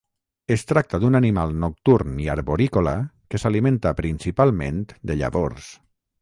Es tracta d'un animal nocturn i arborícola que s'alimenta principalment de llavors.